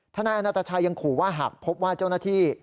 นายอนาตาชัยยังขู่ว่าหากพบว่าเจ้าหน้าที่